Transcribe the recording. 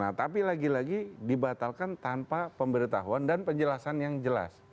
nah tapi lagi lagi dibatalkan tanpa pemberitahuan dan penjelasan yang jelas